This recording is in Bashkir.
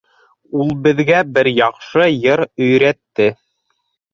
Ул беҙгә бер яҡшы йыр өйрәтте.